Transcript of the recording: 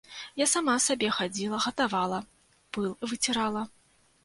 Я сама сабе хадзіла, гатавала, пыл выцірала.